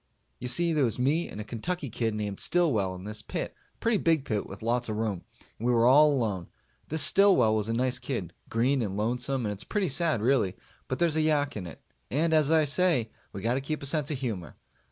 You see, there was me and a Kentucky kid named Stillwell in this pit a pretty big pit with lots of room and we were all alone. This Stillwell was a nice kid green and lonesome and it's pretty sad, really, but there's a yak in it, and as I say we got to keep a sense of humor.